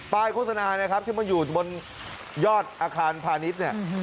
ป้ายโฆษณานะครับซึ่งมันอยู่บนยอดอาคารพานิท